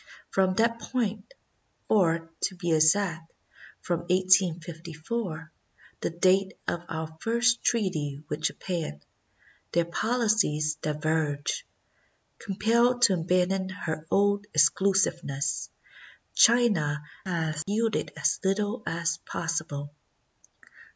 From that point, or, to be exact, from 1854, the date of our first treaty with Japan, their policies diverged. Compelled to abandon her old exclusiveness, China has yielded as little as possible.